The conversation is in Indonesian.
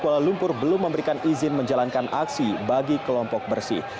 kuala lumpur belum memberikan izin menjalankan aksi bagi kelompok bersih